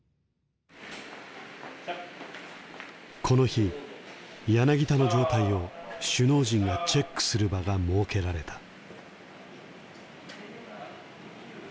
この日柳田の状態を首脳陣がチェックする場が設けられた。